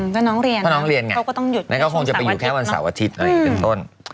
เพราะน้องเรียนไงแล้วเขาคงจะไปอยู่แค่วันเสาร์อาทิตย์กันต้น